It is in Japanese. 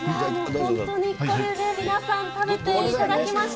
本当に皆さんこれ、食べていただきました。